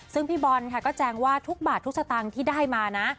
ซึ่งพี่บอลค่ะก็แจงว่าทุกบาททุกสตางค์ที่ได้มานะ